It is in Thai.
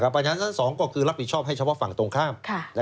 ประชาชั้น๒ก็คือรับผิดชอบให้เฉพาะฝั่งตรงข้าม